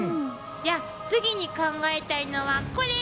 じゃあ次に考えたいのはこれ！